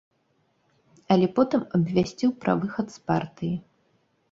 Але потым абвясціў пра выхад з партыі.